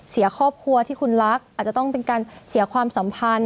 เสียครอบครัวที่คุณรักอาจจะต้องเป็นการเสียความสัมพันธ์